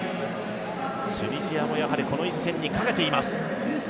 チュニジアもこの一戦にかけています。